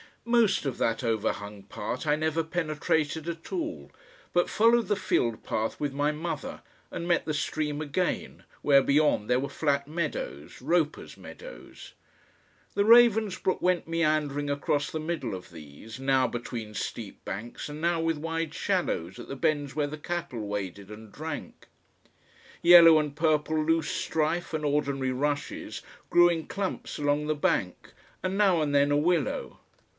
Most of that overhung part I never penetrated at all, but followed the field path with my mother and met the stream again, where beyond there were flat meadows, Roper's meadows. The Ravensbrook went meandering across the middle of these, now between steep banks, and now with wide shallows at the bends where the cattle waded and drank. Yellow and purple loose strife and ordinary rushes grew in clumps along the bank, and now and then a willow.